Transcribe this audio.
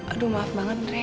aduh maaf banget re